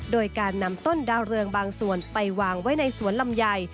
โดยการนำต้นดาวเรืองบางส่วนไปวางไว้ในสวนลำไย